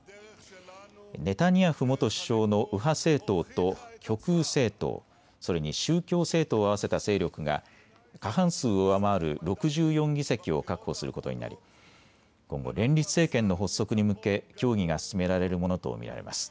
ネタニヤフ元首相の右派政党と極右政党、それに宗教政党を合わせた勢力が過半数を上回る６４議席を確保することになり今後、連立政権の発足に向け協議が進められるものと見られます。